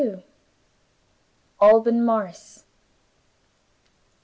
ALBAN MORRIS.